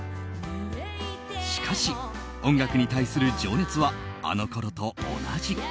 しかし、音楽に対する情熱はあのころと同じ。